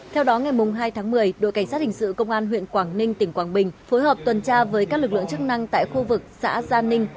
theo đó ngày hai tháng một mươi đội cảnh sát hình sự công an huyện quảng ninh tỉnh quảng bình phối hợp tuần tra với các lực lượng chức năng tại khu vực xã gia ninh